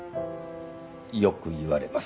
よく言われます。